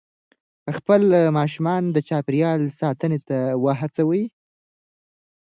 خپل ماشومان د چاپېریال ساتنې ته وهڅوئ.